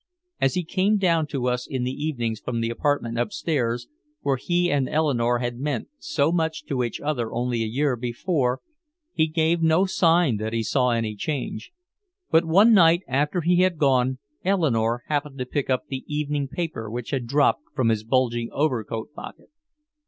As he came down to us in the evenings from the apartment upstairs, where he and Eleanore had meant so much to each other only a year before, he gave no sign that he saw any change. But one night after he had gone, Eleanore happened to pick up the evening paper which had dropped from his bulging overcoat pocket.